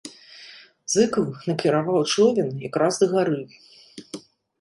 Зыкаў накіраваў човен якраз да гары.